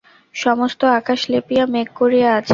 সমস্ত আকাশ লেপিয়া মেঘ করিয়া আছে।